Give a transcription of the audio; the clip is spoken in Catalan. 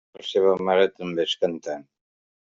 La seva mare també és cantant.